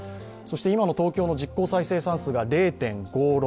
今の東京の実効再生産数が０．５６。